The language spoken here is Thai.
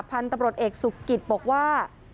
พันธุ์ตำรวจเอกสุกิตบอกว่า